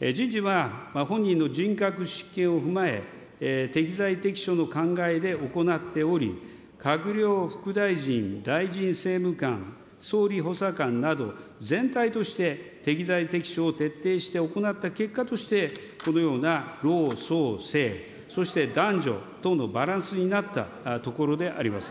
人事は本人の人格を踏まえ、適材適所の考えで行っており、閣僚、副大臣、大臣政務官、総理補佐官など、全体として適材適所を徹底して行った結果として、このような老壮青、そして男女等のバランスになったところであります。